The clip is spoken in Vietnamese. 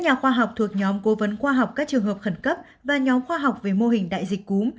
nhà khoa học thuộc nhóm cố vấn khoa học các trường hợp khẩn cấp và nhóm khoa học về mô hình đại dịch cúm